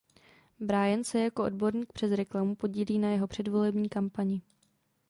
Brian se jako odborník přes reklamu podílí na jeho předvolební kampani.